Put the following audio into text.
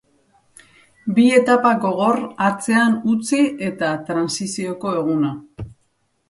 Bi etapa gogor atzean utzi eta transizioko eguna.